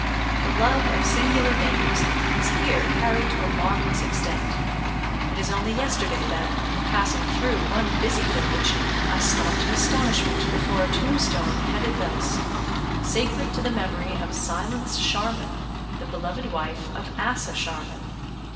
The love of singular names is here carried to a marvellous extent. It is only yesterday that, in passing through one busy village, I stopped in astonishment before a tombstone headed thus: "Sacred to the memory of Silence Sharman, the beloved wife of Asa Sharman."